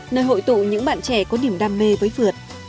nơi hội tụ những bạn trẻ có điểm đam mê với phượt